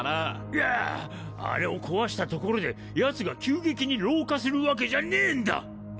いやあれを壊したところでヤツが急激に老化するわけじゃねえんだ！